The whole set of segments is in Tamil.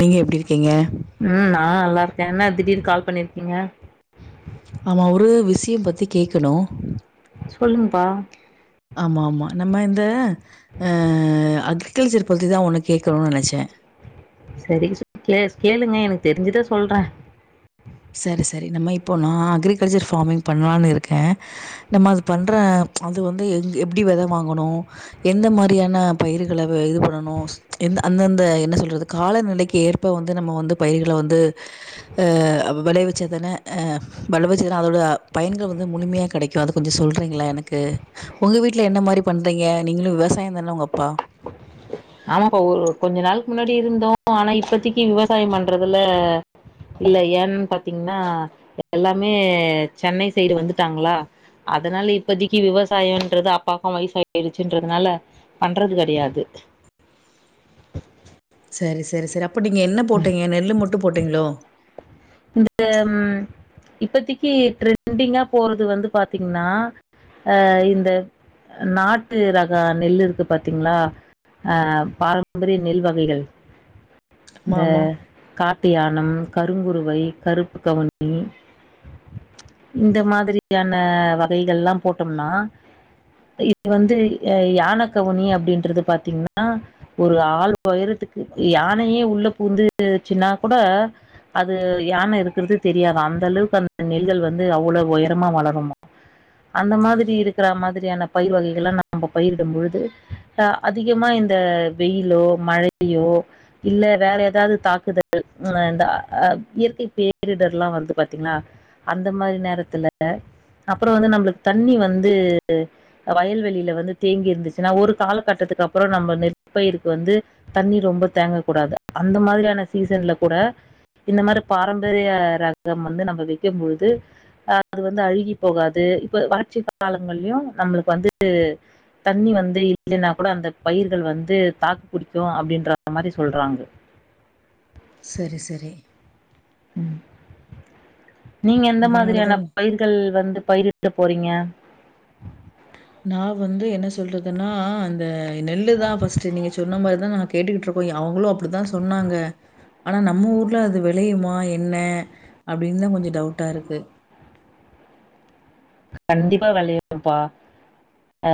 நீங்க எப்டி இருக்கீங்க? ம் நா நல்லா இருக்கே என்னா திடீர்னு கால் பண்ணிருக்கீங்க? ஆமா ஒரு விஷயம் பத்தி கேக்கணு சொல்லுங்ப்பா ஆமா ஆமா நம்ம இந்த ஆ அக்ரிகல்ச்சர் பத்திதா ஒண்ணு கேக்கணுன்னு நெனச்சே சரி சொ கே கேளுங்க எனக்கு தெரிஞ்சத சொல்றே சரி சரி நம்ம இப்போ நா அக்ரிகல்ச்சர் ஃபார்மிங் பண்லான்னு இருக்கே நம்ம அது பண்ற அது வந்து எங் எப்டி வெத வாங்கணு எந்த மாரியான பயிர்கள ஆ இது பண்ணணு எந்த அந்தந்த என்ன சொல்றது காலநிலைக்கு ஏற்ப வந்து நம்ம வந்து பயிர்கள வந்து ஆ அ வெளைவிச்சாதான ஆ வெளவிச்சாதா அதோட பயன்கள் வந்து முழுமையா கெடைக்கு அத கொஞ்ச சொல்றீங்களா எனக்கு உங்க வீட்ல என்ன மாரி பண்றீங்க நீங்களு விவசாயம்தான உங்க அப்பா ஆமாப்பா ஒரு கொஞ்ச நாளுக்கு முன்னாடி இருந்தோ ஆனா இப்பத்தக்கி விவசாயம் பண்றதுல இல்ல ஏன்னு பாத்தீங்கன்னா எல்லாமே சென்னை சைடு வந்துட்டாங்களா அதனால இப்பதக்கி விவசாயோன்றது அப்பாக்கும் வயசு ஆயிடுச்சுன்றதுனால பண்றது கெடையாது சரி சரி சரி அப் அப்ப நீங்க என்ன போட்டீங்க நெல்லு மட்டு போட்டீங்களோ இந்த ம் இப்பத்திக்கு ட்ரெண்டிங்கா போறது வந்து பாத்தீங்னா ஆ இந்த நாட்டு ரக நெல் இருக்கு பாத்தீங்களா ஆ பாரம்பரிய நெல் வகைகள் ஆமா, இந்த ஆமா. கா ப்டியா நம் கருங்குரு வை கருப்பு கவுனி இந்த மாதிரியான வகைகள்லா போட்டோம்னா இ இது வந்து ஆ யான கவுனி அப்டின்றது பாத்தீங்கன்னா ஒரு ஆளு ஒயரத்துக்கு யானையே உள்ள பூந்துச்சுன்னா கூட அ து யான இருக்குறது தெரியாதா அந்த அளவுக்கு அந்த நெல்கள் வந்து அவ்வளவு ஒயரமா வளருமா. அந்த மாதிரி இருக்கிற மாதிரியான பயிர் வகைகள்லா நம்ம பயிரிடும் பொழுது ஆ அதிகமா இந்த வெயிலோ மழையோ இல்ல வேற ஏதாவது தாக்குதல் நம்ம இந்த ஆ இயற்கை பேரிடர்லா வந்து பாத்தீங்னா அந்த மாரி நேரத்துல அப்புறோ வந்து நம்மளுக்கு தண்ணி வந்து அ வயல்வெளியில வந்து தேங்கி இருந்துச்சுன்னா ஒரு காலகட்டத்துக்கு அப்புறோ நம்ம நெற்பயிருக்கு வந்து தண்ணி ரொம்ப தேங்கக் கூடாது அந்த மாதிரியான சீசன்ல கூட இந்த மாரி பாரம்பரிய ரகம் வந்து நம்ம வைக்கும் பொழுது அது வந்து அழுகி போகாது இப்ப வறட்சி காலங்கள்லயு நம்மளுக்கு வந்து தண்ணி வந்து இல்லன்னா கூட அந்த பயிர்கள் வந்து தாக்கு புடிக்கு அப்டின்ற மாரி சொல்றாங்க சரி சரி ம் நீங்க எந்த அதனால மாதிரியான தான் பயிர்கள் வந்து பயிரி டப்போறீங்க நா வந்து என்ன சொல்றதுன்னா அந்த நெல்லுதா ஃபஸ்ட்டு நீங்க சொன்ன மாரிதா நாங்க கேட்டுக்கிட்டு இருக்கோ அவங்களு அப்பிடிதா சொன்னாங்க. ஆனா நம்ம ஊர்ல அது வெளையுமா என்ன அப்டின்னுதா கொஞ்சோ டவுட்டா இருக்கு கண்டிப்பா வெளையும்ப்பா. ஆ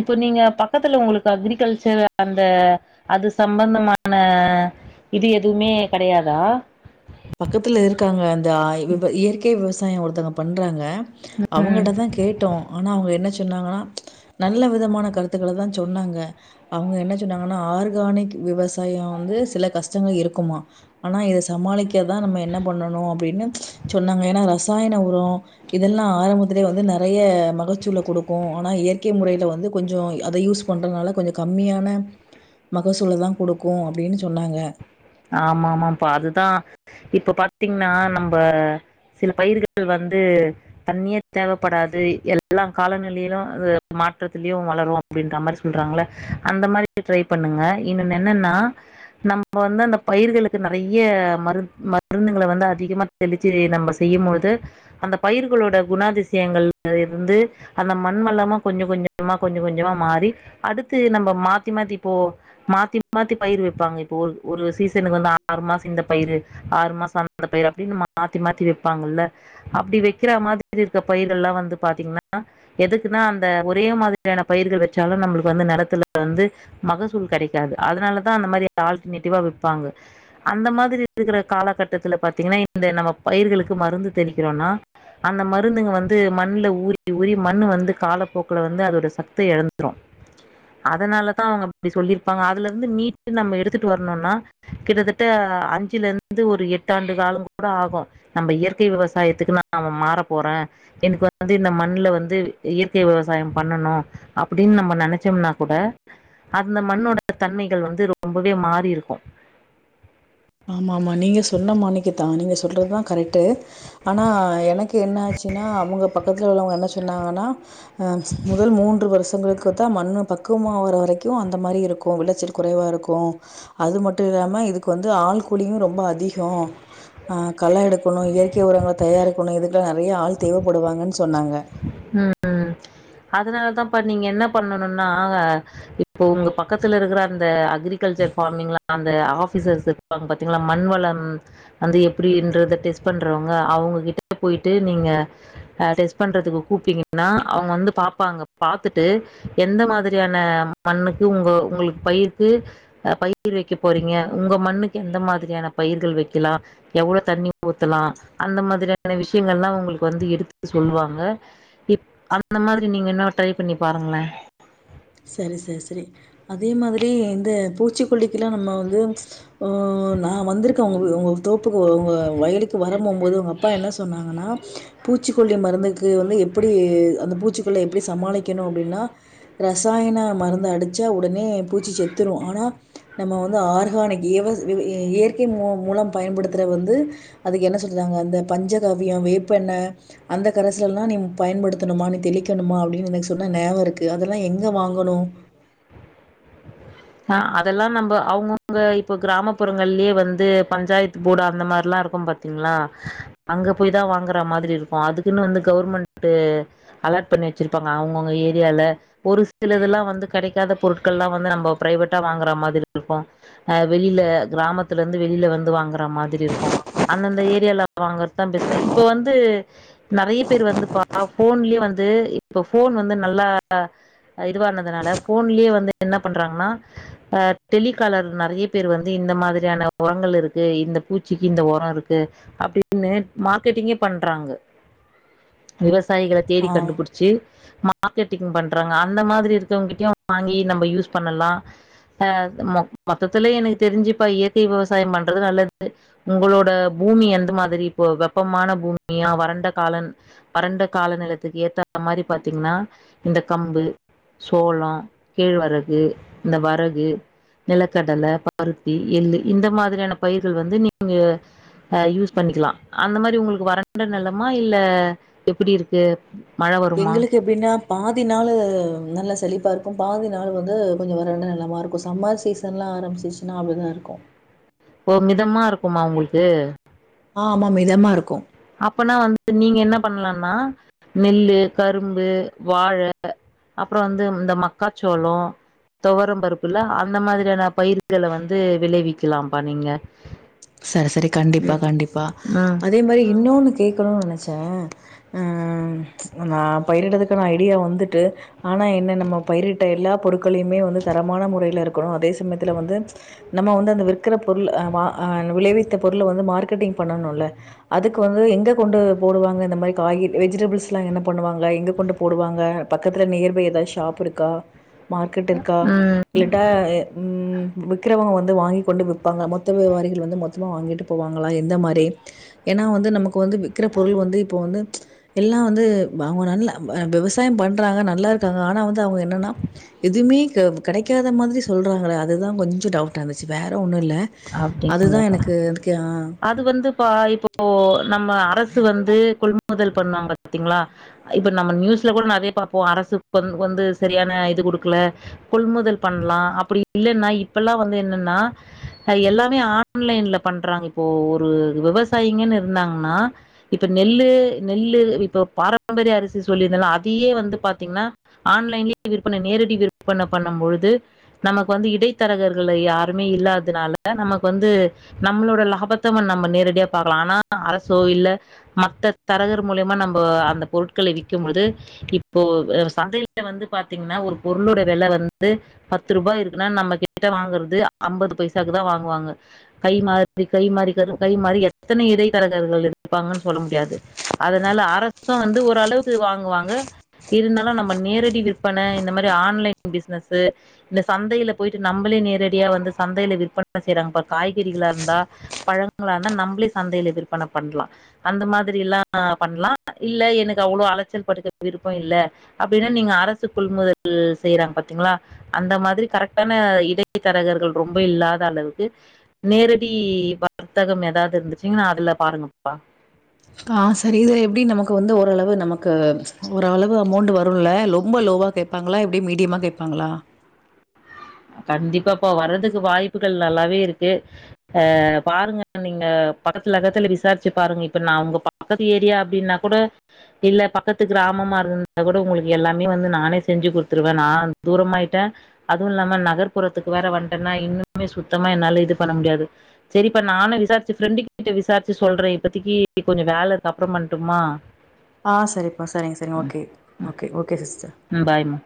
இப்போ நீங்க பக்கத்துல உங்களுக்கு அக்ரிகல்ச்சர் அந்த அது சம்பந்தமான இது எதுவுமே கெடையாதா? பக்கத்துல இருக்காங்க அந் த விவ இயற்கை விவ சாயோ ஒருத்தவங்க பண்றாங்க. அவங்ககிட்டதா கேட்டோ ஆனா அவங்க என்ன சொன்னாங்கன்னா நல்ல விதமான கருத்துக்களதா சொன்னாங்க. அவங்க என்ன சொன்னாங்கன்னா ஆர்கானிக் விவசாயோ வந்து சில கஷ்டங்கள் இருக்குமா ஆனா இத சமாளிக் கதா நம்ம என்ன பண்ணணு அப்டின்னு சொன்னாங்க ஏன்னா ரசாயன உரோ இதெல்லா ஆரம்பத்துலேயே வந்து நெறைய மகச்சூல குடுக்கு ஆனா இயற்கை முறையில வந்து கொஞ்சோ அத யூஸ் பண்றனால கொஞ்ச கம்மியான மகசூலதா குடுக்கு அப்டின்னு சொன்னாங்க ஆமா ஆமாம்ப்பா அதுதா இப்ப பாத்தீங்ன்னா நம்ப சில பயிர்கள் வந்து தண்ணியே தேவப்படாது எல்லா காலநிலையிலு அது மாற்றத்திலயு வளரு அப்டின்றா மாரி சொல்றாங்கல்ல அந்த மாரி ட்ரை பண்ணுங்க இன்னொன்னு என்னன்னா நம்ம வந்து அந்த பயிர்களுக்கு நெறைய மரு மருந்துங்கள வந்து அதிகமா தெளிச்சு நம்ம செய்யும்போது அந்த பயிர்களோட குணாதிசயங்கள்ல இருந்து அந்த மண் வளமு கொஞ்ச கொஞ்சமா கொஞ்ச கொஞ்சமா மாறி அடுத்து நம்ம மாத்தி மாத்தி இப்போ மாத்தி மாத்தி பயிர் வைப்பாங்க இப்போ ஒரு ஒரு சீச னுக்கு வந்து ஆறு மாசோ இந்த பயிரு ஆறு மாசோ அந்த பயிரு அப்டின்னு மாத்தி மாத்தி வைப்பாங்கல்ல அப்டி வைக்கிற மாதிரி இருக்க பயிர்கல்லா வந்து பாத்தீங்ன்னா எதுக்குனா அந்த ஒரே மாதிரியான பயிர்கள் வச்சாலு நம்பளுக்கு வந்து நெலத்துல வந்து மகசூல் கெடைக்காது. அதனாலதா அந்த மாரி ஆல்டர்நேட்டிவா வப் பாங்க அந்த மாதிரி இருக்கிற காலகட்டத்துல பாத்தீங்ன்னா இந்த நம்ம பயிர்களுக்கு மருந்து தெளிக்கிறோன்னா அந்த மருந்துங்க வந்து மண்ல ஊறி ஊறி மண்ணு வந்து காலப்போக்குல வந்து அதோட சத்த எழந்துரு. அதனாலதா அவங்க அப்டி சொல்லிருப்பாங்க அதுல இருந்து மீட்டு நம்ம எடுத்துட்டு வரணுன்னா கிட்டத்தட்ட அஞ்சுல இருந்து ஒரு எட்டாண்டு காலங் கூட ஆகு. நம்ப இயற்கை விவசாயத்துக்கு நா மாற போறே எனக்கு வந்து இந்த மண்ணுல வந்து இயற்கை விவசாயோ பண்ணணு அப்பிடின்னு நம்ம நெனைச்சோம்னா கூட அந்த மண்ணோட தன்மைகள் வந்து ரொம்பவே மாறி இருக்கு ஆமா ஆமா நீங்க சொன்னமானிக்குதா நீங்க சொல்றதுதா கரெக்ட்டு ஆனா எனக்கு என்ன ஆச்சுன்னா அவங்க பக்கத்துல உள்ளவங்க என்ன சொன்னாங்கன்னா ஆ முதல் மூன்று வருஷங்களுக்குதா மண்ணு பக்குவமா வர வரைக்கு அந்த மாரி இருக்கு வெளைச்சல் குறைவா இருக்கு அது மட்டு இல்லாம இதுக்கு வந் து ஆள்கூலியு ரொம்ப அதிகோ ஆ கள எடுக்கணு இயற்கை உரங்கள தயாரிக்கணு இதுக்கெல்லா நெறைய ஆள் தேவப்படுவாங்கன்னு சொன்னாங்க. ம் ம் அதனாலதாம்ப்பா நீங்க என்ன பண்ணனுன்னா இப்போ உங்க பக்கத்துல இருக்கற அந்த அக்ரிகல்ச்சர் ஃபார்மிங்ல அந்த ஆஃபிசர்ஸ் இருப்பாங்க பாத்தீங்களா மண் வளம் வந்து எப்டின்றத டெஸ்ட் பண்றவங்க அவங்ககிட்ட போயிட்டு நீங்க ஆ டெஸ்ட் பண்றதுக்கு கூப்டீங்கன்னா அவங்க வந்து பாப்பாங்க. பாத்துட்டு எந்த மாதிரியான மண்ணுக்கு உங்க உங்களுக்கு பயிருக்கு ஆ பயிர் வைக்க போறீங்க உங்க மண்ணுக்கு எந்த மாதிரியான பயிர்கள் வைக்கலா எவ்ளோ தண்ணி ஊத்தலா அந்த மாதிரியான விஷயங்கள்லா உங்களுக்கு வந்து எடுத்து சொல்லுவாங்க. இப் அந்த மாதிரி நீங்க வேண்ணா ட்ரை பண்ணி பாருங்களே சரி சரி சரி அதே மாதிரி இந்த பூச்சிக்கொல்லிக்கெல்லா நம்ம வந்து ப்போ நா வந்திருக்கே உங்க உங்க தோப்புக்கு உங்க வயலுக்கு வரம்போம்போது உங்க அப்பா என்ன சொன்னாங்கன்னா பூச்சிக்கொல்லி மருந்துக்கு வந்து எப்பிடி அந்த பூச்சிகள எப்பிடி சமாளிக்கணு அப்டின்னா ரசாயன மருந்து அடிச்சா உடனே பூச்சி செத்துரு ஆனா நம்ம வந்து ஆர்கானிக் இவஸ் வி இ இயற்கை மூ மூலம் பயன்படுத்துறது வந்து அதுக்கு என்ன சொல்றாங்க அந்த பஞ்சகவ்யோ வேப்பெண்ணெ அந்த கரைசலெல்லா நீ பயன்படுத்தணும்மா நீ தெளிக்கணும்மா அப்டின்னு எனக்கு சொன்னது நியாபக இருக்கு அது எல்லா எங்க வாங்கணு? ஆ அதெல்லா நம்ப அவங்கவுங்க இப்ப கிராமப்புறங்கள்லயே வந்து பஞ்சாயத்து போர்டு அந்த மாரில்லா இருக்கும் பாத்தீங்களா அங்க போய்தா வாங்கற மாதிரி இருக்கு அதுக்குன்னு வந்து கவர்மெண்ட்டு அலாட் பண்ணி வச்சிருப்பாங்க அவங்கவுங்க ஏரியால ஒரு சிலதெல்லா வந்து கெடைக்காத பொருட்கள்லா வந்து நம்போ ப்ரைவேட்டா வாங்கற மாதிரி இருக்கு ஆ வெளில கிராமத்திலிருந்து வெளில வந்து வாங்கற மாதிரி இருக்கு அந்தந்த ஏரியால வாங்கறதுதா பெஸ்ட்டு இப்போ வந்து நெறைய பேர் வந்து பாத்தா ஃபோன்லயே வந்து இப்போ ஃபோன் வந்து நல்லா ஆ இதுவானதுனால ஃபோன்லயே வந்து என்ன பண்றாங்கன்னா ஆ டெலிகாலர் நெறைய பேர் வந்து இந்த மாதிரியான ஒரங்கள் இருக்கு இந்த பூச்சிக்கி இந்த ஒரோ இருக்கு அப்டின்னு மார்க்கெட்டிங்கே பண்றாங்க விவ சாயிகள தேடி ஆ. கண்டுபிடிச்சு மா மார்க்கெட்டிங் பண்றாங்க அந்த மாதிரி இருக்கவங்ககிட்டயு வாங்கி நம்ப யூஸ் பண்ணலா. ஆ மொ மொத்தத்துல எனக்கு தெரிஞ்சு இப்ப இயற்கை விவசாயம் பண்றது நல்லது. உங்களோட பூமி எந்த மாதிரி இப்போ வெப்பமான பூமியா, வறண்ட காலன் வறண்ட கால நிலத்துக்கு ஏத்த மாரி பாத்தீங்ன்னா இந்த கம்பு, சோளோ, கேழ்வரகு இந்த வரகு, நிலக்கடல, பருத்தி, எள்ளு இந்த மாதிரியான பயிர்கள் வந்து நீங்க ஆ யூஸ் பண்ணிக்கலா. அந்த மாரி உங்களுக்கு வறண்ட நிலமா இல்ல எப்பிடி இருக்கு மழ வருமா எங்களுக்கு எப்டின்னா பாதி நாளு நல்ல செழிப்பா இருக்கு பாதி நாள் வந்து கொஞ்சோ வறண்ட நெலமா இருக்கு சம்மர் சீசன்லா ஆரம்பிச்சுச்சுனா அப்டிதா இருக்கு ஓ மிதமா இருக்குமா உங்கள்க்கு ஆமா மிதமா இருக்கு அப்பன்னா வந்து நீங்க என்ன பண்லான்னா நெல்லு, கரும்பு, வாழ அப்றோ வந்து இந்த மக்காச்சோளோ, தொவரம் பருப்புல்ல அந்த மாதிரியான பயிர்கள வந்து விளைவிக்கலாம்ப்பா நீங்க சரி சரி கண்டிப்பா கண்டிப்பா ம் அதே மாரி இன்னொன்னு கேக்கனு நெனச் சே ம் நம்ம பயிரிடதுக்கான ஐடியா வந்துட்டு ஆனா என்ன நம்ம பயிரிட்ட எல்லா பொருட்களையுமே வந்து தரமான முறைல இருக்கணு அதே சமயத்துல வந்து நம்ம வந்து அந்த விற்கிற பொருள் அ வா அ விளைவித்த பொருள வந்து மார்க்கெட்டிங் பண்ணணுல்ல அதுக்கு வந்து எங்க கொண்டு போடுவாங்க இந்த மாரி காய வெஜிடபிள்ஸ்லா என்ன பண்ணுவாங்க எங்க கொண்டு போடுவாங்க பக்கத்துல நியர்பை எதா ஷாப் இருக்கா மார்க்கெட் இருக்கா ம் இல்லட்டா ம் ம் விக்கிறவங்க வந்து வாங்கி கொண்டு விப்பாங்க மொத்த வியாபாரிக ள் வந்து மொத்தமா வாங்கிட்டு போவாங்கலா எந்த மாரி ஏனா வந்து நமக்கு வந்து விக்கிற பொருள் வந்து இப்ப வந்து எல்லா வந்து அவுங்க நல்ல விவசாயம் பண்றாங்க நல்லாருக்காங்க ஆனா வந்து அவுங்க என்னனா எதுவ்மே க கடைக்காத மாதிரி சொல்றாங்கல அதுதா கொஞ்ச டவுட்டாருந்துச்சு வேற ஒன்னு இல்ல அதுதா அப்டிங்கப்பா எனக்கு அதுக்கு ஆ அது வந்துப்பா இப்போ நம்ம அரசு வந்து கொள்முதல் பண்ணுவாங்க பாத்தீங்ளா இப்ப நம்ம நியூஸ்ல கூட நெறைய பாப்போ அரசு வந்து சரியான இது குடுக்ல கொள்முதல் பண்லா அப்டி இல்லன்னா இப்பல்லா வந்து என்னன்னா ஹ எல்லாமே ஆன்லைன்ல பண்றாங்க இப்போ ஒரு விவசாயிங்கன்னு இருந்தாங்கனா இப்ப நெல்லு நெல்லு இப்போ பாரம்பரிய அரிசி சொல்லியிருந்தல்ல அதையே வந்து பாத்தீங்னா ஆன்லைன்லயே விற்பனை நேரடி விற்பன பண்ணும்பொழுது நமக்கு வந்து இடைத்தரகர்கள யாருமே இல்லாதனால நமக்கு வந்து நம்மளோட லாபத்த நம்ம நேரடியா பாக்கலா ஆனா அரசோ இல்ல மத்த தரகர் மூலியமா நம்ம அந்த பொருட்கள விக்கும்போது இப்போ சந்தைல வந்து பாத்தீங்னா ஒரு பொருளோட வெல வந்து பத்து ரூபா இருக்குனா நம்ம கிட்ட வாங்குறது அம்பது பை சாக்கு தா வாங்குவாங்க கை மாறி கை மாறி கை மாறி எத்தனை இடைத்தரகர்கள் இருப்பாங்கன் சொல்ல முடியாது அதுனால அரசு வந்து ஓரளவுக்கு வாங்குவாங்க இருந்தாலு நம்ம நேரடி விற்பன இந்த மாரி ஆன்லைன் பிஸ்னஸு இந்த சந்தைல போயிட்டு நம்மளே நேரடியா வந்து சந்தைல விற் பன செய்றாங்க பா காய்கறிகளா இருந்தா பழங்களா இருந்தா நம்பளே சந்தைல விற்பன பண்லா அந்த மாதிரில்லா பண்லா இல்ல எனக்கு அவ்ளோ அலச்சல் பட்டுக்க விருப்பொ இல்ல அப்டின்னா நீங்க அரசு கொள்முதல் செய்றாங்க பாத்தீங்ளா அந்த மாதிரி கரெக்டான இடைத்தரகர்கள் ரொம்ப இல்லா த அளவுக்கு நேரடி வர்த்தகம் எதாவுது இருந்துச்சுன்னா அதுல பாருங்கப்பா ஆ சரி இது எப்டி நமக்கு வந்து ஓரளவு நமக்கு ஓரளவு அமௌண்டு வருல்ல ரொம்ப லோவா கேப்பாங்களா எப்டி மீடியமா கேப்பாங்களா? கண்டிப்பாப்பா வரதுக்கு வாய்ப்புகள் நல்லாவே இருக்கு ஆ பாருங்க நீங்க பக்கத்துல அக்கத்துல விசாரிச்சு பாருங்க இப்ப நா உங்க பக்கத்து ஏரியா அப்டின்னா கூட இல்ல பக்கத்து கிராமமா இருந்துந்தா கூட உங்களுக்கு எல்லாமே வந்து நானே செஞ்சு குடுத்துருவே நா தூரமாயிட்டே அதுவு இல்லா ம நகர்புறத்துக்கு வேற வன்ட்டெனா இன்னுமே சுத்தமா என்னால இது பண்ண முடியாது செரிப்பா நானு விசாரிச்சு ஃப்ரெண்டு கிட்ட விசாரிச்சு சொல்றே இப்பத்திக்கி கொஞ்ச வேல இருக்கு அப்றம் பண்ணட்டுமா ஆ சரிப்பா சரிங்க சரிங்க ஓகே ஓகே ஓகே சிஸ் ம் பாய்மா